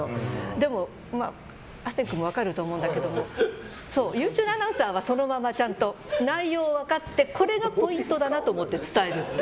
でも、ハセン君も分かると思うんだけど優秀なアナウンサーは内容が分かってこれがポイントだなと思って伝える。